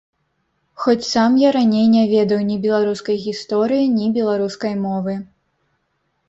Хоць сам я раней не ведаў ні беларускай гісторыі, ні беларускай мовы.